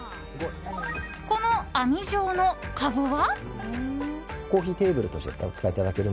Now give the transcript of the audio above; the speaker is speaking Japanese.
この網状のかごは？